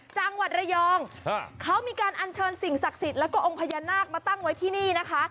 จังหวัดระยองเขามีการอัญเชิญสิ่งศักดิ์สิทธิ์แล้วก็องค์พญานาคมาตั้งไว้ที่นี่นะคะ